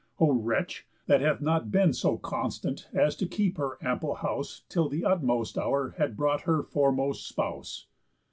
O wretch! That hath not been So constant as to keep her ample house Till th' utmost hour had brought her foremost spouse."